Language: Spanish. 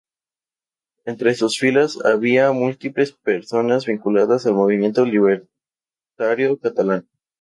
Entre sus filas había múltiples personas vinculadas al movimiento libertario catalán.